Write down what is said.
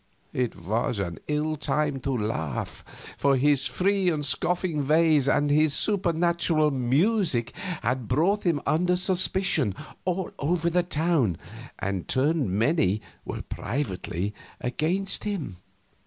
It was an ill time to laugh, for his free and scoffing ways and his supernatural music had brought him under suspicion all over the town and turned many privately against him.